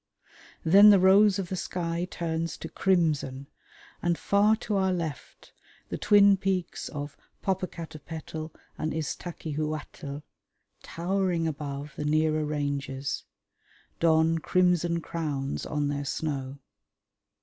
Then the rose of the sky turns to crimson, and far to our left the twin peaks of Popocatapetl and Iztaccihuatl, towering above the nearer ranges, don crimson crowns on their snow.